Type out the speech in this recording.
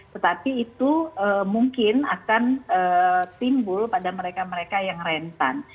tetapi itu mungkin akan timbul pada mereka mereka yang rentan